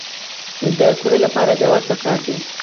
د قوریې لپاره جواز پکار دی؟